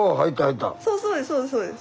そうそうですそうです！